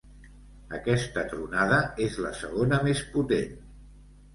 Aquesta tronada és la segona més potent.